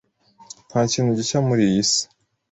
Nta kintu gishya muri iy’ isi